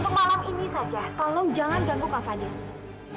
untuk malam ini saja tolong jangan ganggu kak fadil